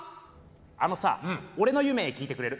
あのさ俺の夢聞いてくれる？